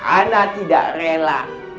ana tidak rela